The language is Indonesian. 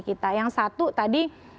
kita yang satu tadi